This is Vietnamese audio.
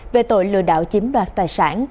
về tội lừa đảo chiếm đoạt tài sản